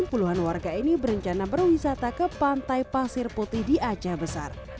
puluhan warga ini berencana berwisata ke pantai pasir putih di aceh besar